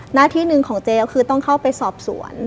หน้าที่หนึ่งของเจลคือต้องเข้าไปสอบสวน